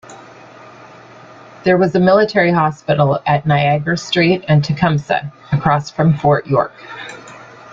There was a military hospital at Niagara Street and Tecumseh across from Fort York.